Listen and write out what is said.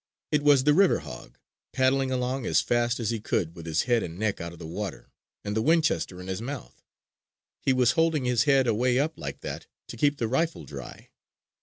It was the river hog, paddling along as fast as he could with his head and neck out of the water and the Winchester in his mouth. He was holding his head away up like that to keep the rifle dry.